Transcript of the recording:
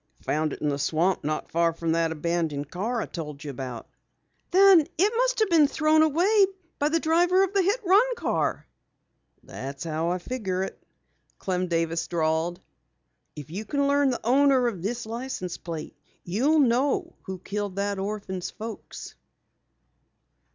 "Found it in the swamp not far from that abandoned car I told you about." "Then it must have been thrown away by the driver of the hit skip car!" "That's how I figure," Clem Davis drawled. "If you can learn the owner of this license plate, you'll know who killed that orphan's folks!"